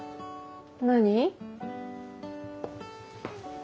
何？